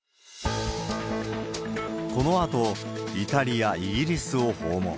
このあと、イタリア、イギリスを訪問。